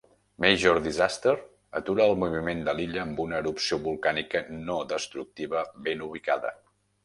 Major Disaster atura el moviment de l'illa amb una erupció volcànica no destructiva ben ubicada.